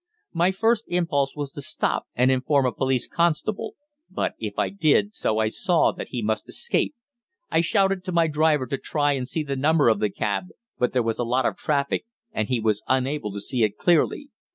My first impulse was to stop and inform a police constable, but if I did so I saw that he must escape. I shouted to my driver to try and see the number of the cab, but there was a lot of traffic, and he was unable to see it clearly.